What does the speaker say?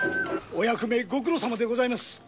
お役目ご苦労様でございます。